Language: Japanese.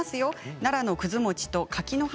奈良のくず餅と柿の葉